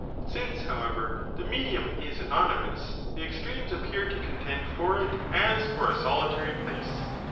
Since, however, the medium is an<»iymou8y the extremes appear to contend for it as for a solitary place.